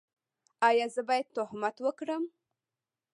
ایا زه باید تهمت وکړم؟